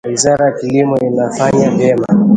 Wizara ya kilimo inafanya vyema